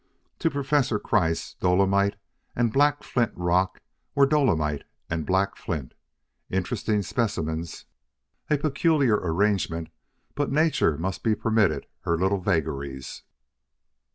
To Professor Kreiss dolomite and black flint rock were dolomite and black flint; interesting specimens a peculiar arrangement but nature must be permitted her little vagaries.